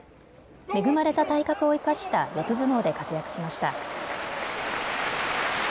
恵まれた体格を生かした四つ相撲で活躍しました。